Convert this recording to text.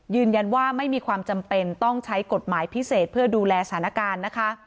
ยืนยันว่าไม่มีความจำเป็นต้องใช้กฎหมายพิเศษเพื่อดูแลสถานการณ์นะคะ